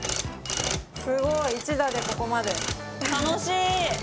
すごい一打でここまで楽しい！